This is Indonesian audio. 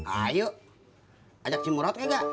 ayo ajak cimurot ke enggak